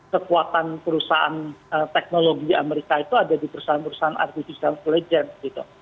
kekuatan perusahaan teknologi amerika itu ada di perusahaan perusahaan artificial intelligence gitu